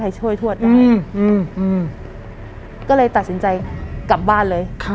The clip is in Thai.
ใครช่วยถวดได้อืมอืมอืมก็เลยตัดสินใจกลับบ้านเลยครับ